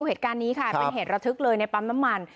เหตุการณ์นี้ค่ะเป็นเหตุระทึกเลยในปั๊มน้ำมัน